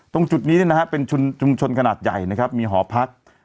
ตรงจุดนี้เป็นชุมชนขนาดใหญ่นะครับมีหอพัก